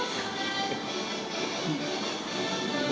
สวัสดีครับ